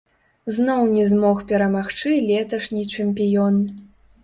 Зноў не змог перамагчы леташні чэмпіён.